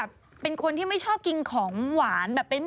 เขาชอบกินของไส้กรอบเยอรมันนะ